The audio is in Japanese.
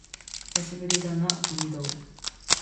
久しぶりだな、鬼道